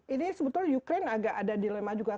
ini sebetulnya ukraine agak ada dilema juga